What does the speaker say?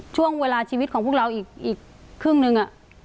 ช่วงเวลาชีวิตของพวกเราอีกครึ่งนึง